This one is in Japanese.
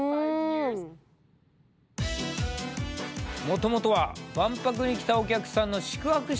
もともとは万博に来たお客さんの宿泊施設だった。